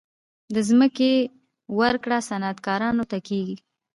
د ځمکې ورکړه صنعتکارانو ته کیږي